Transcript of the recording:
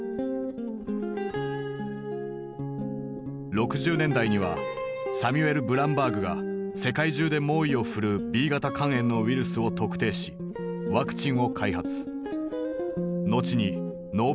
６０年代にはサミュエル・ブランバーグが世界中で猛威を振るうＢ型肝炎のウイルスを特定しワクチンを開発。